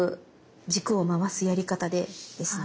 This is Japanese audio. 軸を回すやり方でですね。